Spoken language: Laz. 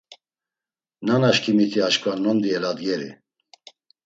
Nanaşǩimiti aşǩva nondi eladgeri…